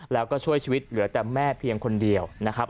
แล้วก็ช่วยชีวิตเหลือแต่แม่เพียงคนเดียวนะครับ